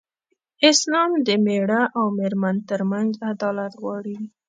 اسلام د مېړه او مېرمن تر منځ عدالت غواړي.